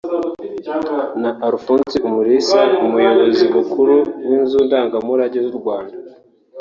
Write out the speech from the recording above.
na Alphonse Umulisa Umuyobozi Mukuru w’inzu ndangamurage z’u Rwanda